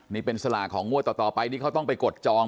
นี่เป็นสลากของงวดต่อไปที่เขาต้องไปกดจอง